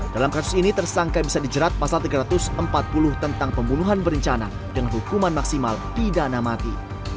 dalam kasus ini tersangka bisa dijerat pasal tiga ratus empat puluh tentang pembunuhan berencana dengan hukuman maksimal pidana mati